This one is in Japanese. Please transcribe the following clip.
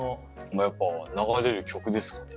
やっぱ流れる曲ですかね。